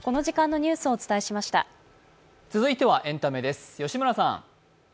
続いてはエンタメです吉村さん。